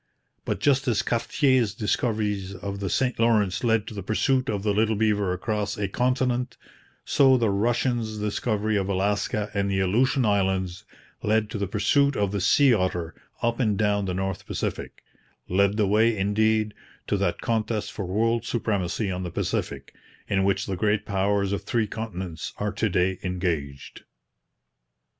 But just as Cartier's discovery of the St Lawrence led to the pursuit of the little beaver across a continent, so the Russians' discovery of Alaska and the Aleutian Islands led to the pursuit of the sea otter up and down the North Pacific; led the way, indeed, to that contest for world supremacy on the Pacific in which the great powers of three continents are to day engaged.